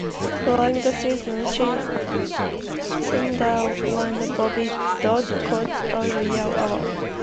Following the season, Snyder won the Bobby Dodd Coach of the Year Award.